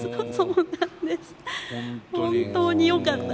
本当によかった。